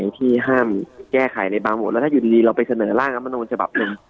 ที่ห้ามแก้ไขในบางโหวตแล้วถ้าอยู่ดีเราไปเสนอร่างรัฐมนูลฉบับหนึ่ง